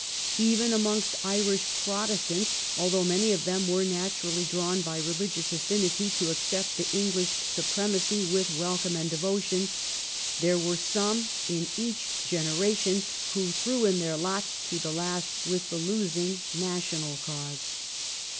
Even amongst Irish Protestants, although many of them were naturally drawn by religious affinity to accept the English supremacy with welcome and devotion, there were some in each generation who threw in their lot to the last with the losing national cause.